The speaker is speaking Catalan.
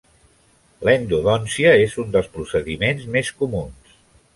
L'endodòncia és un dels procediments més comuns.